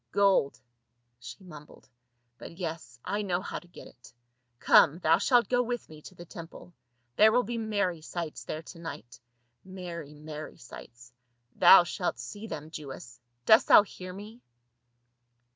"Gold," she mumbled. " But yes — I know how to get it. Come, thou shalt go with me to the temple, there will be merry sights there to night — merry, merry sights. Thou shalt see them, Jewess ; dost thou hear me?"